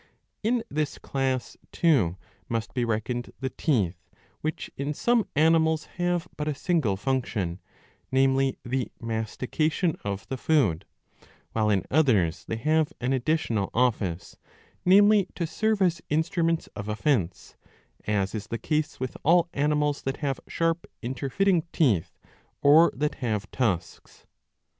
In this class too must be reckoned the teeth, which in some animals have but a single function, namely the mastica tion of the food, while in others they have an additional office, namely to serve as instruments of offence ; as is the case with all animals that have sharp interfitting teeth or that have tusks.